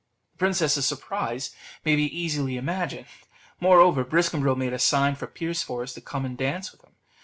The princess's surprise may be easily imagined. Moreover, Briscambril made a sign for Pierceforest to come and dance with him.